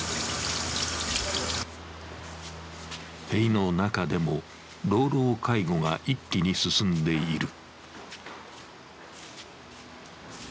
塀の中でも老老介護が一気に進んでいる。